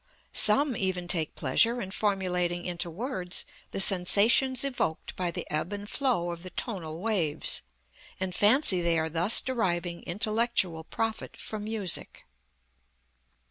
Some even take pleasure in formulating into words the sensations evoked by the ebb and flow of the tonal waves, and fancy they are thus deriving intellectual profit from music.